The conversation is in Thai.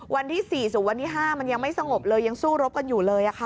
วันที่๔สู่วันที่๕มันยังไม่สงบเลยยังสู้รบกันอยู่เลย